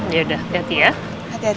yaudah hati hati ya